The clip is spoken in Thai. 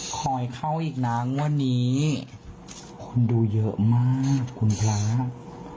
คอยเข้าอีกน้ำวันนี้คุณดูเยอะมากคุณพลาด